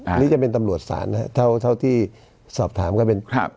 อันนี้จะเป็นตำรวจศาลนะครับเท่าที่สอบถามก็เป็น